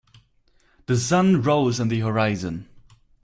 The sun rose on the horizon.